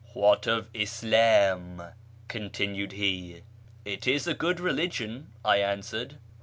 " What of Islam ?" continued he. " It is a good religion," I answered.